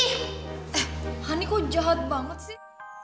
eh hani kok jahat banget sih